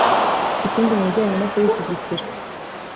Ikindi mu bijyanye no kuyishyigikira